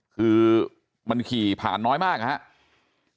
คือมันขี่ผ่านน้อยมากนะครับ